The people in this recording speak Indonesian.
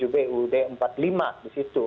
tujuh bu d empat puluh lima disitu